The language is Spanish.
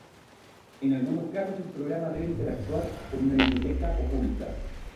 En algunos casos, el programa debe interactuar con una biblioteca oculta.